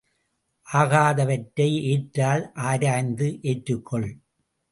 ஆகாதவற்றை ஏற்றால் ஆராய்ந்து ஏற்றுக் கொள்.